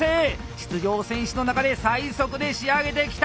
出場選手の中で最速で仕上げてきた！